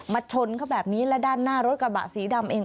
ชนเขาแบบนี้และด้านหน้ารถกระบะสีดำเอง